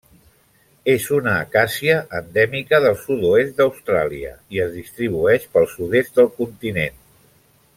És una acàcia endèmica del sud-oest d'Austràlia i es distribueix pel sud-est del continent.